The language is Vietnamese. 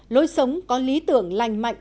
lối sống có lý tưởng lành mạnh